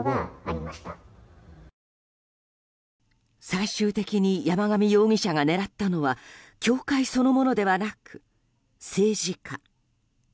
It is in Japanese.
最終的に山上容疑者が狙ったのは教会そのものではなく政治家。